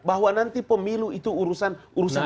bahwa nanti pemilu itu urusan urusan